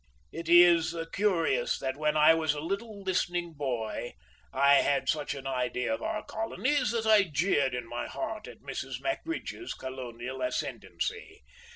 It is curious that when I was a little listening boy I had such an idea of our colonies that I jeered in my heart at Mrs. Mackridge's colonial ascendancy.